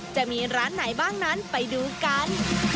จะมีร้านไหนบ้างนั้นไปดูกัน